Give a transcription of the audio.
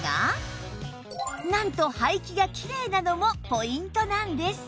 なんと排気がきれいなのもポイントなんです